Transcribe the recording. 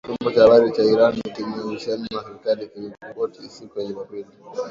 Chombo cha habari cha Iran chenye uhusiano na serikali kiliripoti siku ya Jumapili,